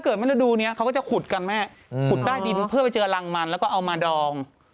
ฤดูนี้เขาก็จะขุดกันแม่ขุดใต้ดินเพื่อไปเจอรังมันแล้วก็เอามาดอง